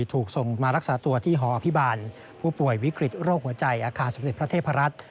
ถูกส่งมารักษาตัวที่หออภิบาลผู้ป่วยวิกฤตโรคหัวใจอาคารสมเด็จพระเทพรัฐ